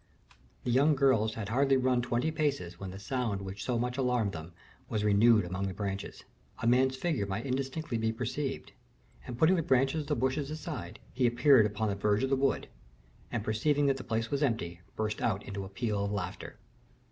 The young girls had hardly run twenty paces, when the sound which had so much alarmed them was renewed among the branches. A man's figure might indistinctly be perceived, and putting the branches of the bushes aside, he appeared upon the verge of the wood, and perceiving that the place was empty, burst out into a peal of laughter.